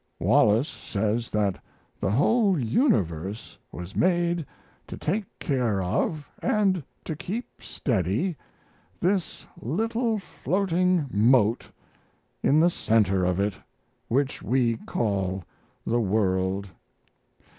Wallace says that the whole universe was made to take care of and to keep steady this little floating mote in the center of it, which we call the world.